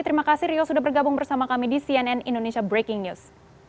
terima kasih rio sudah bergabung bersama kami di cnn indonesia breaking news